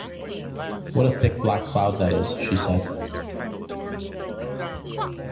‘What a thick black cloud that is!’ she said.